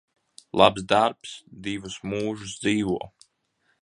Labs darbs divus mūžus dzīvo.